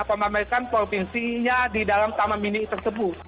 memamerkan provinsinya di dalam taman mini tersebut